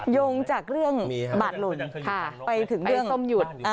ยงจากเรื่องบาดหล่นไปถึงเรื่องส้มหยุด